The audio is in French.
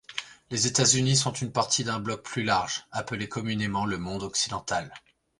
Les États-Unis sont une partie d'un bloc plus large, appelé communément le monde occidental.